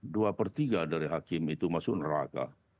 dua per tiga dari hakim itu masuk neraka